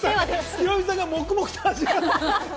ヒロミさんが黙々と味わってる。